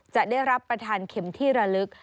จะได้รับประทานเข็มที่ระลึก